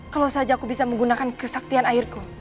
kalau saja aku bisa menggunakan kesaktian airku